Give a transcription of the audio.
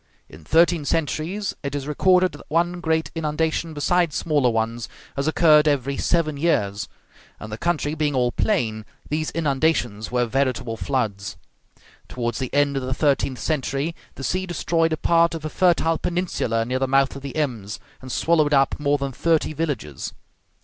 In thirteen centuries, it is recorded that one great inundation, beside smaller ones, has occurred every seven years; and the country being all plain, these inundations were veritable floods. Towards the end of the thirteenth century, the sea destroyed a part of a fertile peninsula near the mouth of the Ems, and swallowed up more than thirty villages.